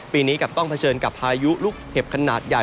ปีนี้กับต้องเผชิญกับพายุลูกเห็บขนาดใหญ่